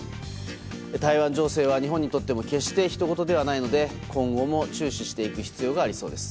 台湾情勢は日本にとっても決してひとごとではないので今後も注視していく必要がありそうです。